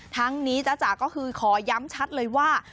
ทั้งนี้จ๊ะจ๋าก็คือขอย้ำชัดเลยว่า